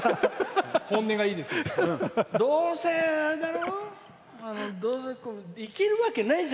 本音がいいです。